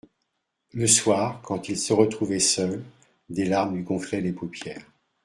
Le soir, quand il se retrouvait seul, des larmes lui gonflaient les paupières.